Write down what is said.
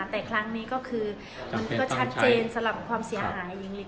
แต่ครั้งนี้ก็คือมันก็ชัดเจนสำหรับความเสียหายหญิงเล็ก